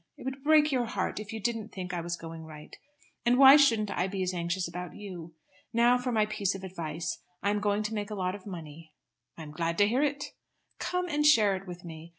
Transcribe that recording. "It would break your heart if you didn't think I was going right, and why shouldn't I be as anxious about you? Now for my piece of advice. I am going to make a lot of money." "I am glad to hear it." "Come and share it with me.